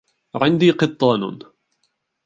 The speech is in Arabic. عندي قطان.